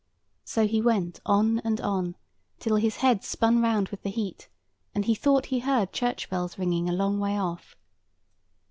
So he went on and on, till his head spun round with the heat, and he thought he heard church bells ringing a long way off.